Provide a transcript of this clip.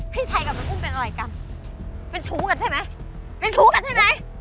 พี่ชัยกับน้องอุ้มเป็นอะไรกันเป็นชู้กันใช่ไหมเป็นชู้กันใช่ไหม